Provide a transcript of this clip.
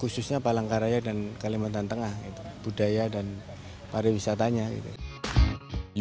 khususnya palangkaraya dan kalimantan tengah gitu budaya dan pariwisatanya gitu